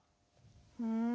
ふん。